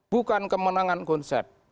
bukan kemenangan konsep